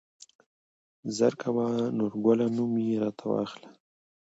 زر کوه نورګله نوم يې راته واخله.